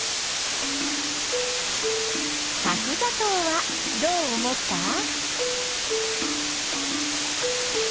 角ざとうはどう思った？